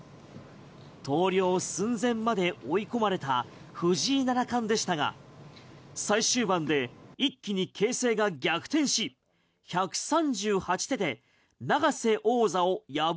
投了寸前まで追い込まれた藤井七冠でしたが最終盤で一気に形勢が逆転しあと１周！